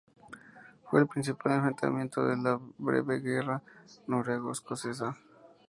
Fue el principal enfrentamiento de la breve guerra noruego-escocesa.